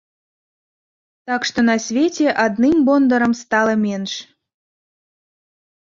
Так што на свеце адным бондарам стала менш.